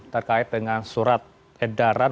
terkait dengan surat edaran